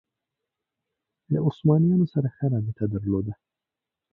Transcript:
له عثمانیانو سره ښه رابطه درلوده